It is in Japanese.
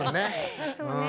そうね。